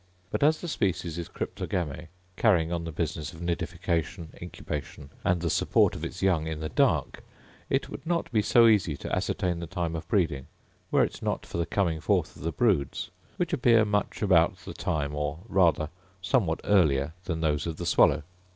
But as the species is cryptogame, carrying on the business of nidification, incubation, and the support of its young in the dark, it would not be so easy to ascertain the time of breeding, were it not for the coming forth of the broods, which appear much about the time, or rather somewhat earlier than those of the swallow.